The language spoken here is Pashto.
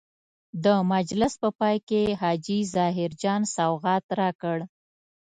د مجلس په پای کې حاجي ظاهر جان سوغات راکړ.